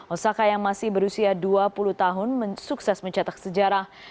osaka yang masih berusia dua puluh tahun sukses mencetak sejarah